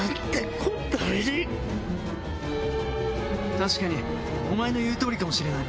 確かにお前の言う通りかもしれない。